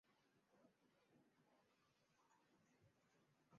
驻台北韩国代表部。